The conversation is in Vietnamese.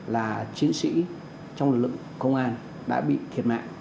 là chiến sĩ trong lực lượng công an đã bị thiệt mạng